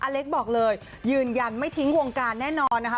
เล็กบอกเลยยืนยันไม่ทิ้งวงการแน่นอนนะคะ